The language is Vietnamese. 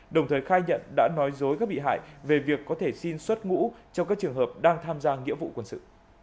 đồng thời khai nhận đã nói dối các bị hại về việc có thể xin xuất ngũ trong các trường hợp đang tham gia nghĩa vụ quân sự